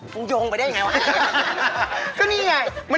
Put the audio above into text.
ผมโยงไปได้อย่างไรวะ